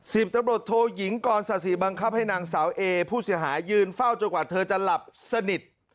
สิบตำรวจโทยิงกรศาสิบังคับให้นางสาวเอผู้เสียหายยืนเฝ้าจนกว่าเธอจะหลับสนิท